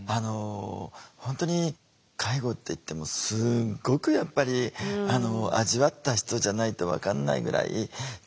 本当に介護っていってもすごくやっぱり味わった人じゃないと分かんないぐらい大変なことってあると思うんですよね。